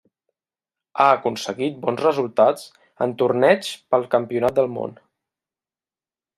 Ha aconseguit bons resultats en torneigs pel Campionat del món.